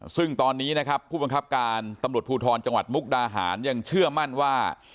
ซึ่งตอนนี้นะครับผู้บังคับการตำรวจภูทรจังหวัดมุกดาหารยังเชื่อมั่นว่า